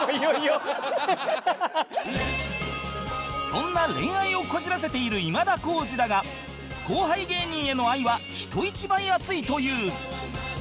そんな恋愛をこじらせている今田耕司だが後輩芸人への愛は人一倍熱いという